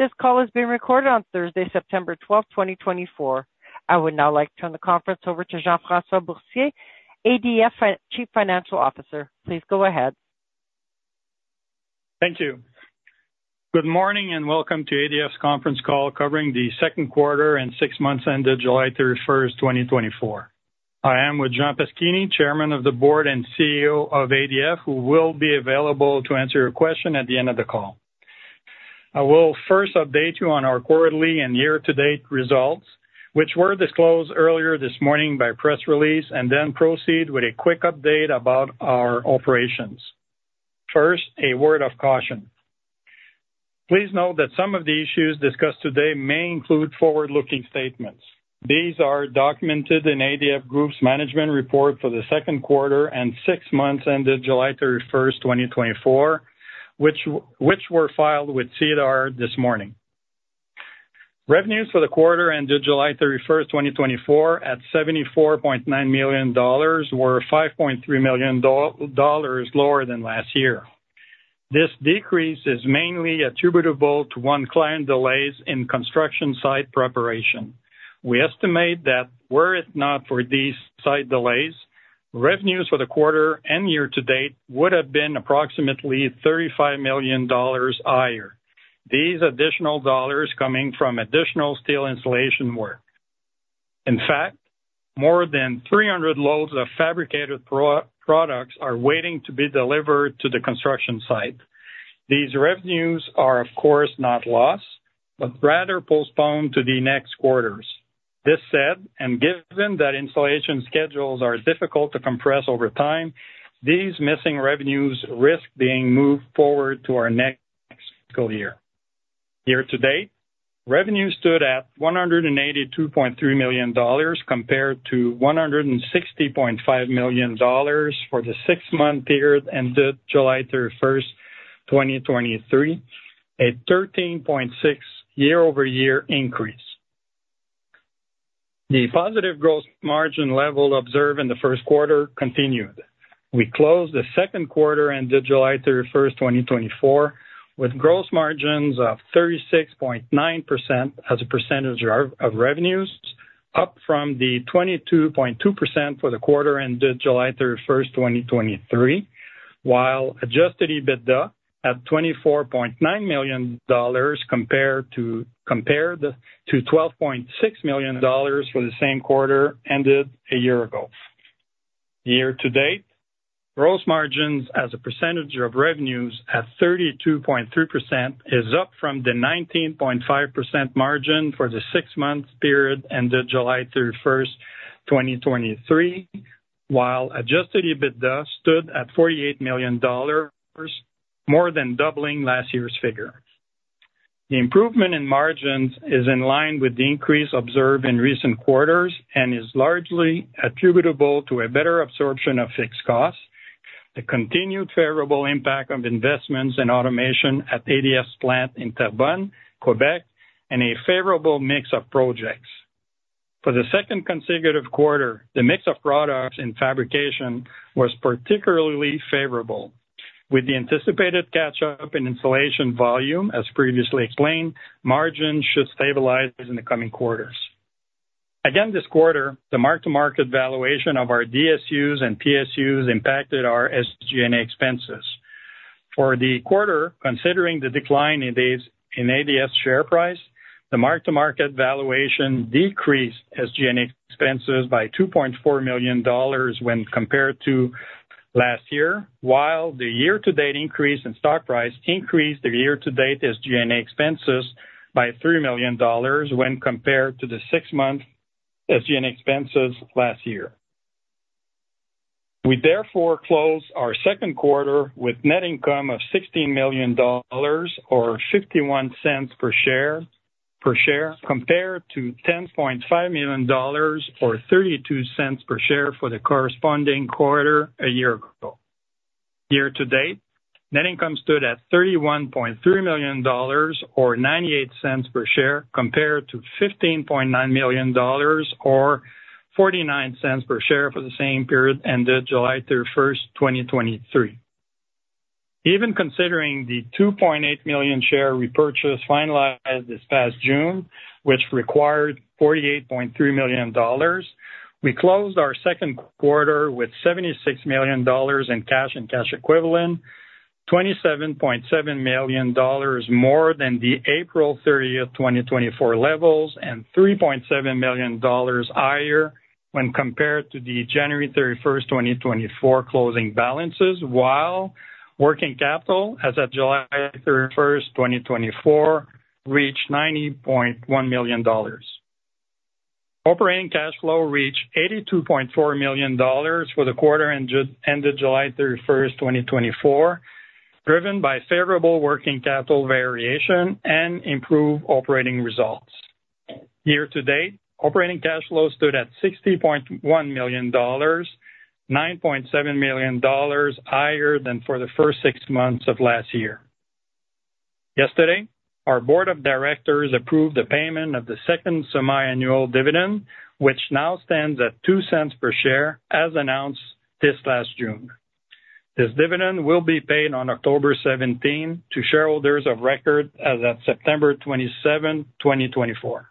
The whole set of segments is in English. This call is being recorded on Thursday, September 12th, 2024. I would now like to turn the conference over to Jean-François Boursier, ADF Chief Financial Officer. Please go ahead. Thank you. Good morning, and welcome to ADF's conference call, covering the second quarter and six months ended July 31st, 2024. I am with Jean Paschini, Chairman of the Board and CEO of ADF, who will be available to answer your question at the end of the call. I will first update you on our quarterly and year-to-date results, which were disclosed earlier this morning by press release, and then proceed with a quick update about our operations. First, a word of caution. Please note that some of the issues discussed today may include forward-looking statements. These are documented in ADF Group's management report for the second quarter and six months ended July 31st, 2024, which were filed with SEDAR this morning. Revenues for the quarter ended July 31st, 2024, at 74.9 million dollars, were 5.3 million dollars lower than last year. This decrease is mainly attributable to one client delays in construction site preparation. We estimate that were it not for these site delays, revenues for the quarter and year to date would have been approximately 35 million dollars higher. These additional dollars coming from additional steel installation work. In fact, more than 300 loads of fabricated prefabricated products are waiting to be delivered to the construction site. These revenues are, of course, not lost, but rather postponed to the next quarters. That said, and given that installation schedules are difficult to compress over time, these missing revenues risk being moved forward to our next fiscal year. Year to date, revenues stood at 182.3 million dollars, compared to 160.5 million dollars for the six-month period ended July 31st, 2023, a 13.6% year-over-year increase. The positive gross margin level observed in the first quarter continued. We closed the second quarter on July 31st, 2024, with gross margins of 36.9% as a percentage of revenues, up from the 22.2% for the quarter ended July 31st, 2023, while adjusted EBITDA at 24.9 million dollars compared to 12.6 million dollars for the same quarter ended a year ago. Year to date, gross margins as a percentage of revenues at 32.3% is up from the 19.5% margin for the six-month period ended July 31st, 2023, while adjusted EBITDA stood at 48 million dollars, more than doubling last year's figure. The improvement in margins is in line with the increase observed in recent quarters and is largely attributable to a better absorption of fixed costs, the continued favorable impact of investments in automation at ADF's plant in Terrebonne, Quebec, and a favorable mix of projects. For the second consecutive quarter, the mix of products in fabrication was particularly favorable. With the anticipated catch-up in installation volume, as previously explained, margins should stabilize in the coming quarters. Again, this quarter, the mark-to-market valuation of our DSUs and PSUs impacted our SG&A expenses. For the quarter, considering the decline in ADF's share price, the mark-to-market valuation decreased SG&A expenses by 2.4 million dollars when compared to last year, while the year-to-date increase in stock price increased the year-to-date SG&A expenses by 3 million dollars when compared to the six-month SG&A expenses last year. We therefore closed our second quarter with net income of 16 million dollars, or 0.51 per share, compared to 10.5 million dollars, or 0.32 per share, for the corresponding quarter a year ago. Year to date, net income stood at 31.3 million dollars, or 0.98 per share, compared to 15.9 million dollars, or 0.49 per share, for the same period ended July 31st, 2023. Even considering the 2.8 million share repurchase finalized this past June, which required 48.3 million dollars, we closed our second quarter with 76 million dollars in cash and cash equivalents, 27.7 million more than the April 30, 2024, levels, and 3.7 million dollars higher when compared to the January 31st, 2024, closing balances, while working capital as of July 31st, 2024, reached 90.1 million dollars. Operating cash flow reached 82.4 million dollars for the quarter ended July 31st, 2024, driven by favorable working capital variation and improved operating results. Year to date, operating cash flow stood at 60.1 million dollars, 9.7 million dollars higher than for the first six months of last year. Yesterday, our board of directors approved the payment of the second semiannual dividend, which now stands at 0.02 per share, as announced this last June. This dividend will be paid on October 17 to shareholders of record as at September 27th, 2024.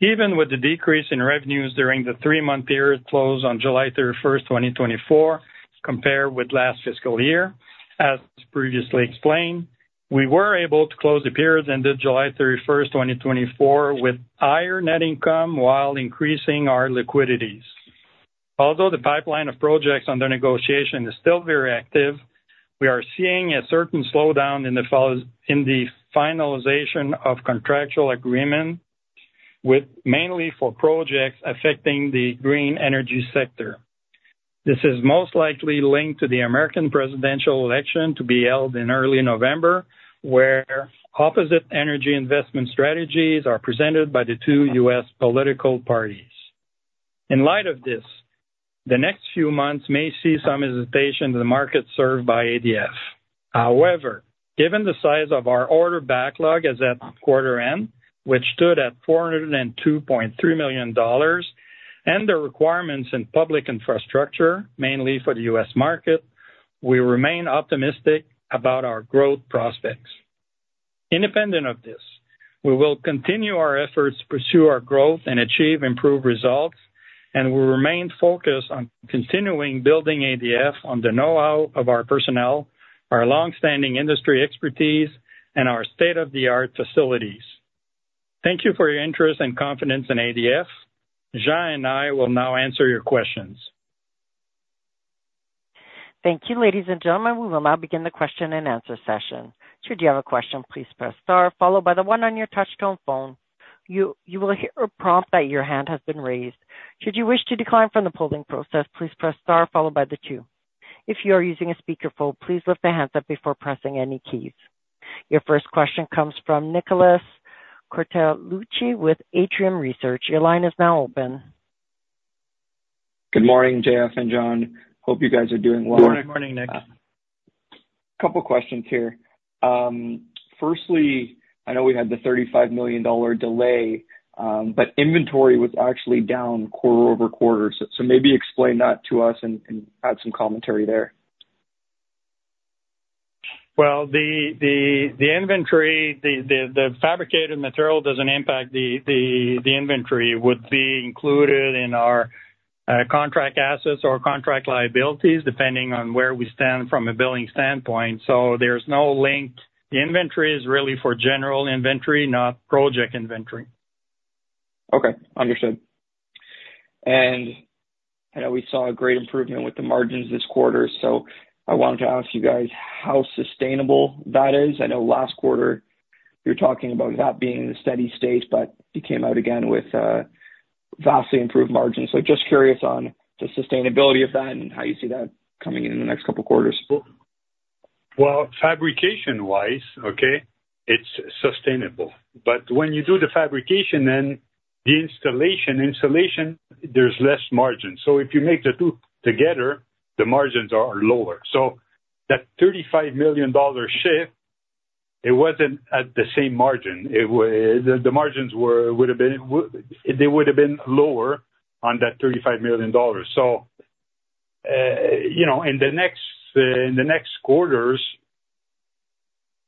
Even with the decrease in revenues during the three-month period closed on July 31st, 2024, compared with last fiscal year, as previously explained, we were able to close the period ended July 31st, 2024, with higher net income while increasing our liquidities. Although the pipeline of projects under negotiation is still very active, we are seeing a certain slowdown in the finalization of contractual agreement with mainly for projects affecting the green energy sector. This is most likely linked to the American presidential election, to be held in early November, where opposite energy investment strategies are presented by the two U.S. political parties. In light of this, the next few months may see some hesitation in the market served by ADF. However, given the size of our order backlog as at quarter end, which stood at 402.3 million dollars, and the requirements in public infrastructure, mainly for the U.S. market, we remain optimistic about our growth prospects. Independent of this, we will continue our efforts to pursue our growth and achieve improved results, and we remain focused on continuing building ADF on the know-how of our personnel, our long-standing industry expertise, and our state-of-the-art facilities. Thank you for your interest and confidence in ADF. Jean and I will now answer your questions. Thank you, ladies and gentlemen. We will now begin the question-and-answer session. Should you have a question, please press star followed by the one on your touchtone phone. You will hear a prompt that your hand has been raised. Should you wish to decline from the polling process, please press star followed by the two. If you are using a speakerphone, please lift the handset before pressing any keys. Your first question comes from Nicholas Cortellucci with Atrium Research. Your line is now open. Good morning, JF and Jean. Hope you guys are doing well. Good morning, Nick. A couple questions here. Firstly, I know we had the 35 million dollar delay, but inventory was actually down quarter-over-quarter. So maybe explain that to us and add some commentary there. The fabricated material doesn't impact the inventory. The inventory would be included in our contract assets or contract liabilities, depending on where we stand from a billing standpoint. So there's no link. The inventory is really for general inventory, not project inventory. Okay, understood. And I know we saw a great improvement with the margins this quarter, so I wanted to ask you guys how sustainable that is. I know last quarter you were talking about that being in a steady state, but you came out again with vastly improved margins. So just curious on the sustainability of that and how you see that coming in the next couple quarters. Fabrication-wise, okay, it's sustainable. But when you do the fabrication, then the installation, there's less margin. So if you make the two together, the margins are lower. So that 35 million dollar shift, it wasn't at the same margin. It, the margins were would have been they would have been lower on that 35 million dollars. So, you know, in the next quarters,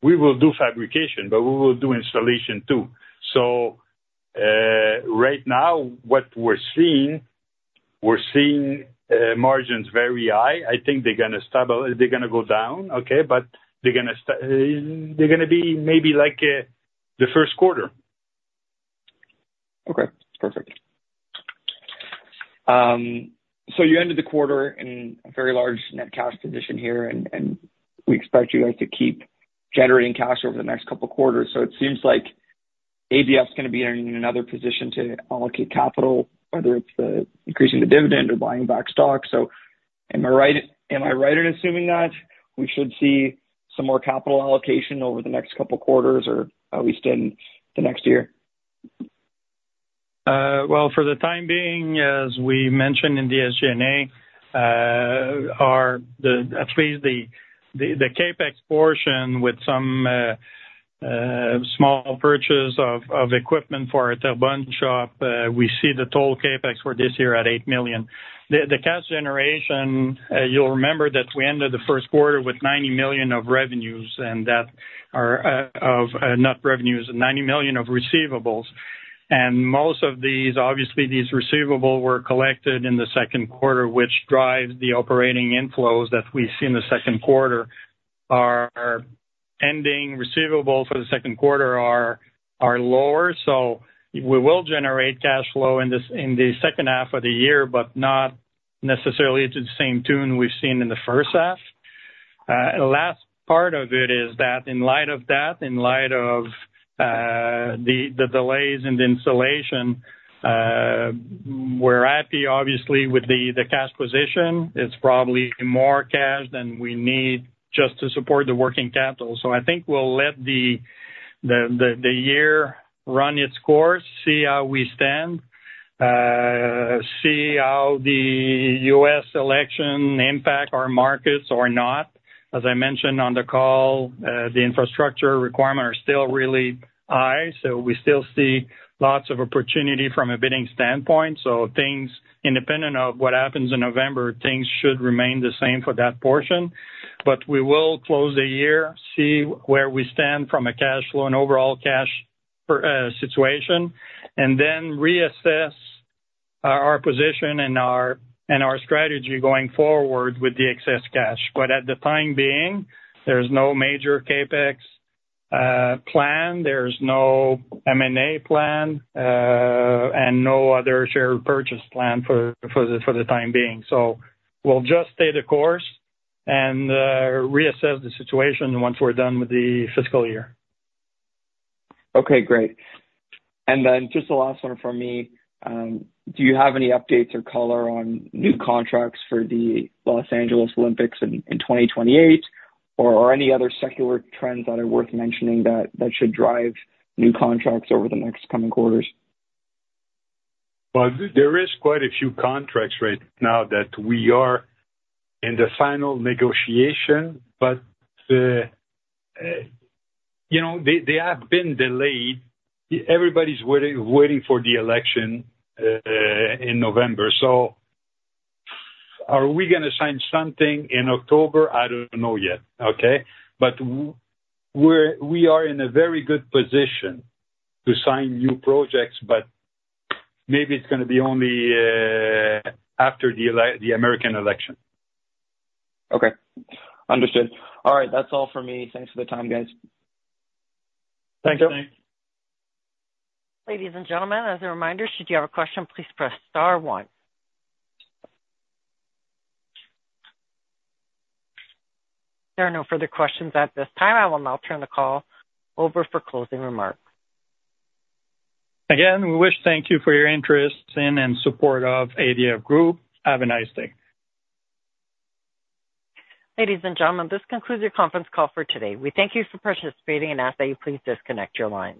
we will do fabrication, but we will do installation, too. So, right now, what we're seeing, margins very high. I think they're gonna go down, okay, but they're gonna be maybe like, the first quarter. Okay, perfect. So you ended the quarter in a very large net cash position here, and we expect you guys to keep generating cash over the next couple quarters. So it seems like ADF is gonna be in another position to allocate capital, whether it's increasing the dividend or buying back stock. So am I right, am I right in assuming that we should see some more capital allocation over the next couple quarters, or at least in the next year? Well, for the time being, as we mentioned in the SG&A, at least the CapEx portion, with some small purchase of equipment for our Terrebonne shop, we see the total CapEx for this year at 8 million. The cash generation, you'll remember that we ended the first quarter with 90 million of revenues, and that are not revenues, 90 million of receivables. And most of these, obviously, these receivables were collected in the second quarter, which drives the operating inflows that we see in the second quarter. Our ending receivables for the second quarter are lower, so we will generate cash flow in the second half of the year, but not necessarily to the same tune we've seen in the first half. The last part of it is that in light of that, in light of the delays in the installation, we're happy, obviously, with the cash position. It's probably more cash than we need just to support the working capital, so I think we'll let the year run its course, see how we stand, see how the U.S. election impact our markets or not. As I mentioned on the call, the infrastructure requirements are still really high, so we still see lots of opportunity from a bidding standpoint, so things, independent of what happens in November, things should remain the same for that portion. But we will close the year, see where we stand from a cash flow and overall cash position, and then reassess our position and our strategy going forward with the excess cash. But at the time being, there's no major CapEx plan, there's no M&A plan, and no other share purchase plan for the time being. So we'll just stay the course and reassess the situation once we're done with the fiscal year. Okay, great. And then just the last one from me. Do you have any updates or color on new contracts for the Los Angeles Olympics in 2028, or any other secular trends that are worth mentioning that should drive new contracts over the next coming quarters? There is quite a few contracts right now that we are in the final negotiation, but, you know, they have been delayed. Everybody's waiting for the election in November. So are we gonna sign something in October? I don't know yet, okay? But we're. We are in a very good position to sign new projects, but maybe it's gonna be only after the American election. Okay, understood. All right. That's all for me. Thanks for the time, guys. Thanks. Ladies and gentlemen, as a reminder, should you have a question, please press star one. There are no further questions at this time. I will now turn the call over for closing remarks. Again, we wish to thank you for your interest in and support of ADF Group. Have a nice day. Ladies and gentlemen, this concludes your conference call for today. We thank you for participating and ask that you please disconnect your line.